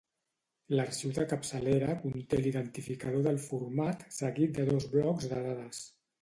L'arxiu de capçalera conté l'identificador del format seguit de dos blocs de dades.